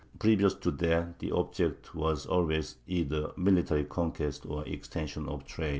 Previous to that the object was always either military conquest or the extension of trade.